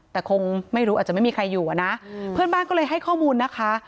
แต่คงไม่รู้อาจจะไม่มีใครอยู่อ่ะนะเพื่อนบ้านก็เลยให้ข้อมูลนะคะ